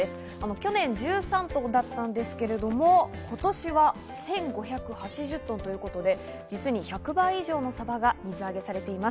去年１３トンだったんですけれども、今年は１５８０トンということで、実に１００倍以上のサバが水揚げされています。